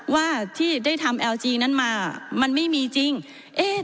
ว่าที่ได้ทำแอลจีนั้นมามันไม่มีจริงเอ๊ะ